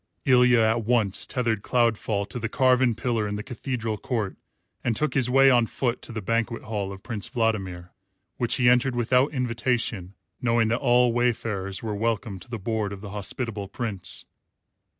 Ilya at once tethered Cloudfall to the carven pillar in the cathedral court and took his way on foot to the banquet hall of Prince Vladimir, which he entered without invitation, knowing that all wayfarers were welcome to the board of the hospitable Prince.